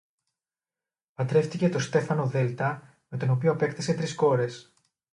παντρεύτηκε το Στέφανο Δέλτα, με το οποίον απέκτησε τρεις κόρες.